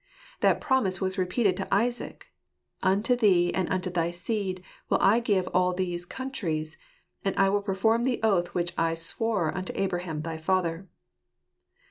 That promise was repeated to Isaac. "Unto thee, and unto thy seed, will I give all these countries; and I will perform the oath which I sware unto Abraham thy father."